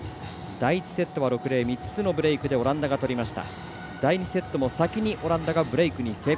第１セットは６−０３つのブレークでオランダが取りました。